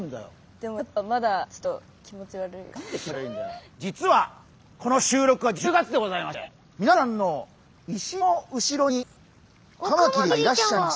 でもやっぱまだちょっと実はこの収録は１０月でございましてみなさんの石のうしろにカマキリがいらっしゃいます。